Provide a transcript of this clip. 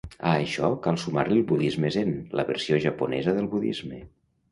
A això cal sumar-li el budisme zen, la versió japonesa del budisme.